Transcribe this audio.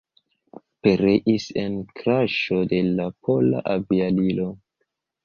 Pereis en kraŝo de la pola aviadilo.